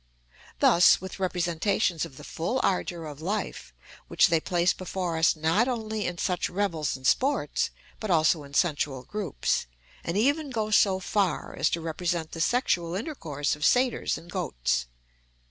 thus with representations of the full ardour of life, which they place before us not only in such revels and sports, but also in sensual groups, and even go so far as to represent the sexual intercourse of satyrs and goats.